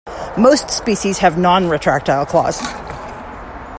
Most species have non-retractile claws.